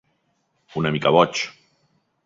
Una mica boig.